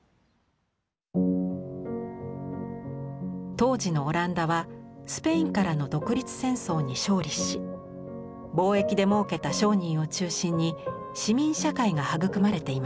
当時のオランダはスペインからの独立戦争に勝利し貿易でもうけた商人を中心に市民社会が育まれていました。